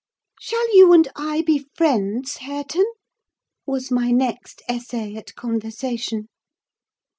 "Shall you and I be friends, Hareton?" was my next essay at conversation.